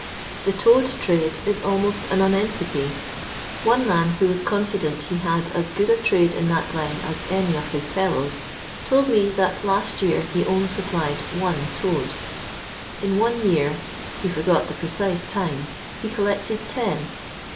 The T<md trade is almost a nonentity. One man, who was confident he had as good a trade in that line aa any of his fellows, told me that last year he only supplied one toad ; in one year, he forgot the precise time, he collected ten.